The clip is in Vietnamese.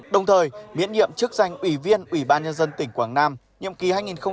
đồng thời miễn nhiệm chức danh ủy viên ubnd tỉnh quảng nam nhiệm kỳ hai nghìn hai mươi một hai nghìn hai mươi sáu